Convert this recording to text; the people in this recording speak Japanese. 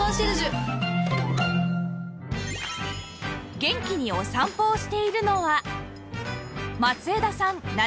元気にお散歩をしているのは